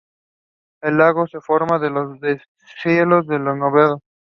Barber.